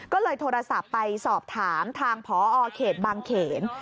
ก็เลยโทรศัพท์ไปสอบถามทางพอเขตบางเขน